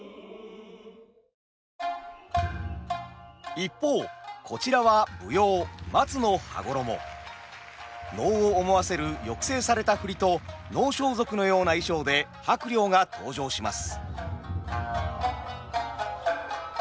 一方こちらは舞踊「松廼羽衣」。能を思わせる抑制された振りと能装束のような衣装で伯了が登場します。